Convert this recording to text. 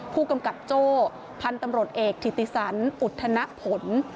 ผู้กำกับโจ้พันธุ์ตำรวจเอกถิติสันอุทธนผล